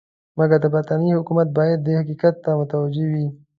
مګر د برټانیې حکومت باید دې حقیقت ته متوجه وي.